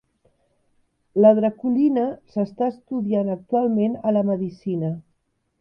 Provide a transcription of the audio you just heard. La draculina s"està estudiant actualment a la medicina.